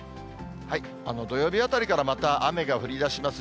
土曜日あたりからまた雨が降りだします。